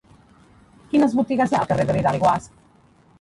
Quines botigues hi ha al carrer de Vidal i Guasch?